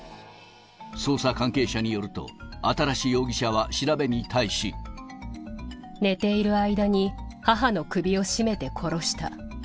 捜査関係者によると、寝ている間に、母の首を絞めて殺した。